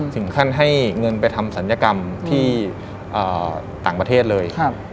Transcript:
ถึงขั้นให้เงินไปทำศัลยกรรมที่ต่างประเทศเลย